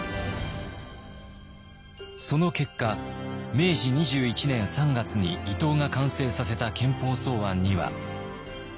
明治２１年３月に伊藤が完成させた憲法草案には。